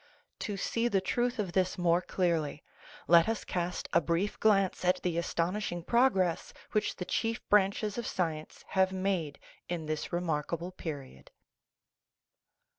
To see the truth of this more clearly, let us cast a brief glance at the astonishing progress which the chief branches of science have made in this remarkable period.